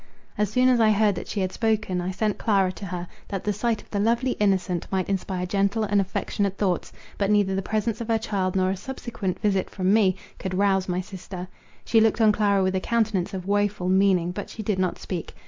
As soon as I heard that she had spoken, I sent Clara to her, that the sight of the lovely innocent might inspire gentle and affectionate thoughts. But neither the presence of her child, nor a subsequent visit from me, could rouse my sister. She looked on Clara with a countenance of woful meaning, but she did not speak.